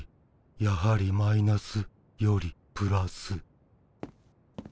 やはりマイナスよりプラス。